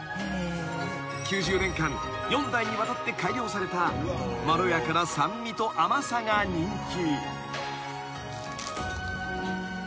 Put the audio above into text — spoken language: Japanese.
［９０年間四代にわたって改良されたまろやかな酸味と甘さが人気］